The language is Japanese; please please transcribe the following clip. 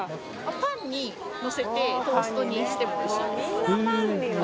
パンにのせてトーストにしてもおいしいです。